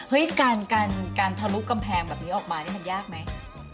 การทะลุกำแพงแบบนี้ออกมานี่มันยากไหม